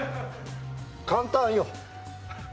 簡単よ！